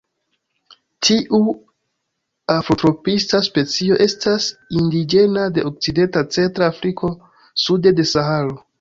Tiu afrotropisa specio estas indiĝena de Okcidenta Centra Afriko sude de Saharo.